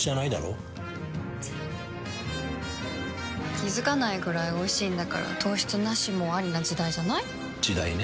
気付かないくらいおいしいんだから糖質ナシもアリな時代じゃない？時代ね。